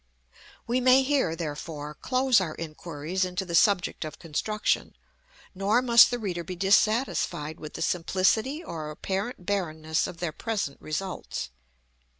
We may here, therefore, close our inquiries into the subject of construction; nor must the reader be dissatisfied with the simplicity or apparent barrenness of their present results.